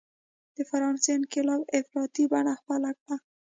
د فرانسې انقلاب افراطي بڼه خپله کړه.